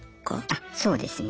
あそうですね。